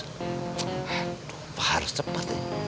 aduh harus cepat ya